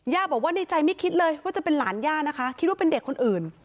บอกว่าในใจไม่คิดเลยว่าจะเป็นหลานย่านะคะคิดว่าเป็นเด็กคนอื่น